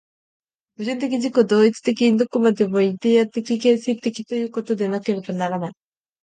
矛盾的自己同一的に、どこまでもイデヤ的形成的ということでなければならない。